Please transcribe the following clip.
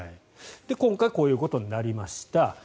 今回こういうことになりました。